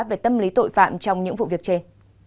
về tâm lý tội phạm trong những vụ việc trên